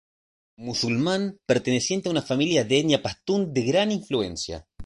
Musulmán perteneciente a una familia de etnia pastún de gran influencia.